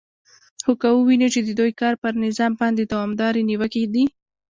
خو که ووینو چې د دوی کار پر نظام باندې دوامدارې نیوکې دي